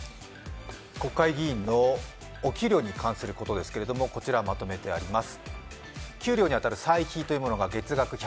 国会議員のお給料に関することですが、こちらまとめてあります。